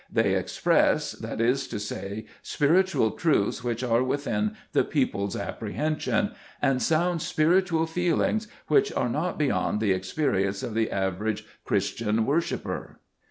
They express, that is to say, spiritual truths which are within the people's apprehension, and sound spiritual feelings which are not beyond the experience of the average Christian worshiper.